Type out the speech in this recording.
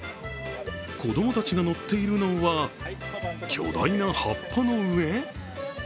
子供たちが乗っているのは巨大な葉っぱの上？